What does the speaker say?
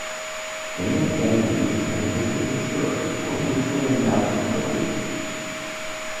Dana Andrews and Victor Mature were originally announced for the lead.